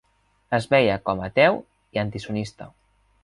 Es veia com a ateu i antisionista.